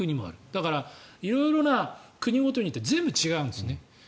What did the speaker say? だから、色々な国ごとによって全部違うんですね。